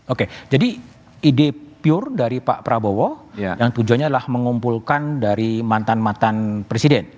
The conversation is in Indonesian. oke jadi ide pure dari pak prabowo yang tujuannya adalah mengumpulkan dari mantan mantan presiden